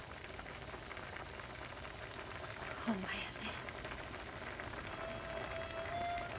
ほんまやね。